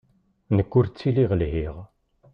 Nekk ur ttiliɣ lhiɣ.